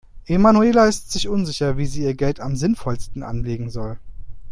Emanuela ist sich unsicher, wie sie ihr Geld am sinnvollsten anlegen soll.